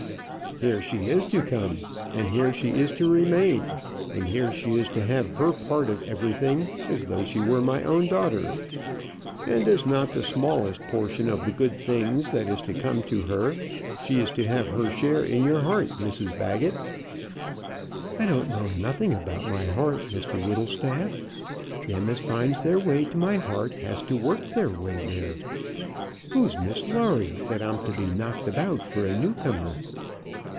"Here she is to come, and here she is to remain, and here she is to have her part of everything as though she were my own daughter. And, as not the smallest portion of the good things that is to come to her, she is to have her share in your heart, Mrs Baggett." "I don't know nothing about my heart, Mr Whittlestaff. Them as finds their way to my heart has to work their way there. Who's Miss Lawrie, that I'm to be knocked about for a new comer?"